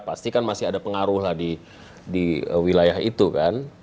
pasti kan masih ada pengaruh lah di wilayah itu kan